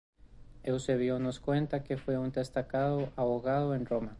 Eusebio nos cuenta que fue un destacado abogado en Roma.